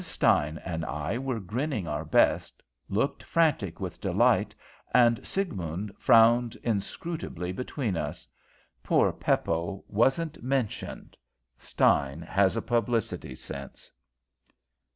Stein and I were grinning our best, looked frantic with delight, and Siegmund frowned inscrutably between us. Poor Peppo wasn't mentioned. Stein has a publicity sense."